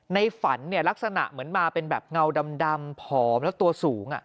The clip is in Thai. ในฝันลักษณะเหมือนมาเป็นแบบเงาดำผอมแล้วตัวสูง